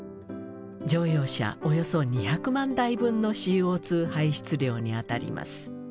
乗用車およそ２００万台分のＣＯ排出量にあたります。